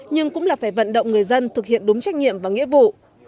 nhưng cũng là phải vận động người dân thực hiện đúng trách nhiệm và nghĩa vụ